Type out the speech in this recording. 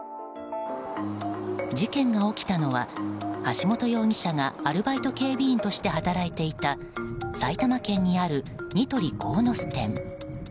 事件が起きたのは橋本容疑者がアルバイト警備員として働いていた埼玉県にあるニトリ鴻巣店。